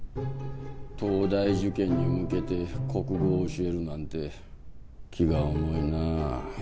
東大受験に向けて国語を教えるなんて気が重いなあ